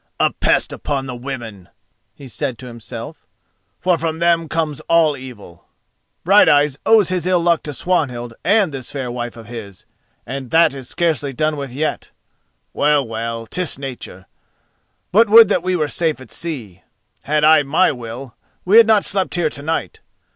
"A pest upon the women!" he said to himself, "for from them comes all evil. Brighteyes owes his ill luck to Swanhild and this fair wife of his, and that is scarcely done with yet. Well, well, 'tis nature; but would that we were safe at sea! Had I my will, we had not slept here to night.